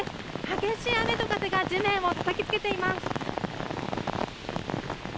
激しい雨と風が地面をたたきつけています。